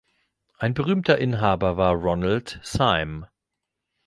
Ein berühmter Inhaber war Ronald Syme.